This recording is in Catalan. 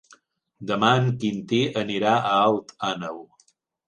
Demà en Quintí anirà a Alt Àneu.